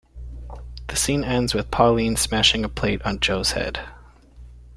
The scene ends with Pauline smashing a plate on Joe's head.